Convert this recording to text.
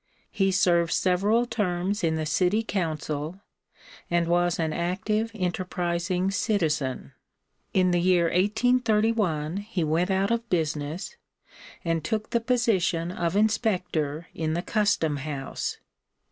He served several terms in the City Council, and was an active, enterprising citizen. In the year 1831 he went out of business and took the position of inspector in the custom house.